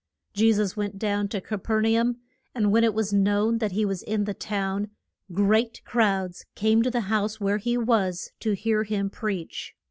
Je sus went down to Ca per na um, and when it was known that he was in the town great crowds came to the house where he was to hear him preach.